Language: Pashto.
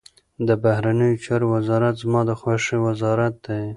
د بهرنیو چارو وزارت زما د خوښي وزارت دی.